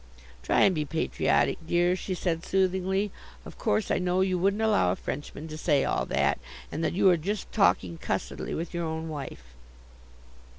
"Try and be patriotic, dear," she said soothingly. "Of course, I know you wouldn't allow a Frenchman to say all that, and that you are just talking cussedly with your own wife."